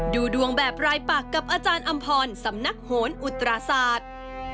ดูดวงแบบรายปักกับอาจารย์อำพรสำนักโหนอุตราศาสตร์